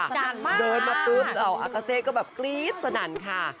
อีกอย่างมากจริงเดินมาเติบหล่ออากาเซก็แบบกรี๊ดสนันค่ะ